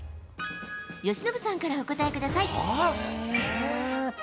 由伸さんからお答えください。